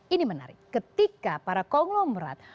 ini menarik ketika para konglomerat